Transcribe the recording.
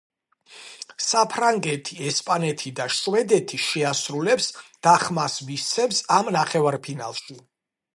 საფრანგეთი, ესპანეთი და შვედეთი შეასრულებს და ხმას მისცემს ამ ნახევარფინალში.